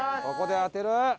ここで当てる。